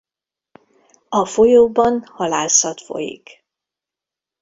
A folyóban halászat folyik.